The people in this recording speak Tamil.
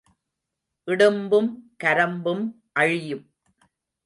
இடும்பும் கரம்பும் அழியும்.